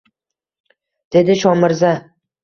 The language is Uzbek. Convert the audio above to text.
dedi Shomirza